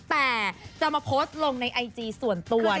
แต่จะมาโพสต์ลงในไอจีส่วนตัวนี่แหละ